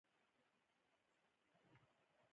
د هوا د کثافت کموالی د الوتکو پورته کېدل اسانه کوي.